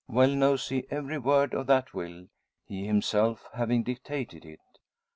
Well knows he every word of that will, he himself having dictated it.